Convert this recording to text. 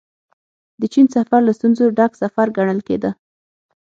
د چين سفر له ستونزو ډک سفر ګڼل کېده.